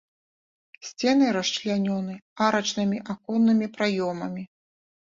Сцены расчлянёны арачнымі аконнымі праёмамі.